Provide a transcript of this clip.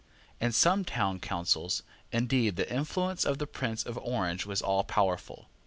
In some town councils, indeed, the influence of the Prince of Orange was all powerful.